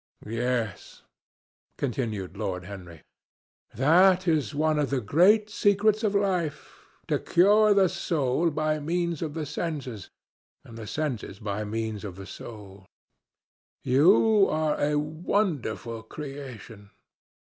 "Yes," continued Lord Henry, "that is one of the great secrets of life—to cure the soul by means of the senses, and the senses by means of the soul. You are a wonderful creation.